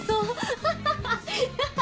ハハハハ！